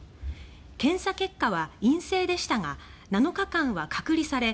検査結果は陰性でしたが７日間は隔離され